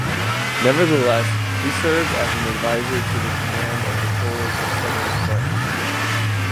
Nevertheless, he served as an advisor to the command of the Polish southern front.